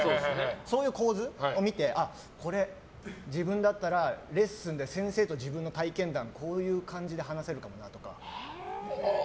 そういう構図を見てこれ、自分だったらレッスンで先生と自分の体験談こういう感じで話せるなとか。